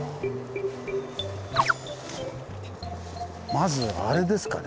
まずあれですかね。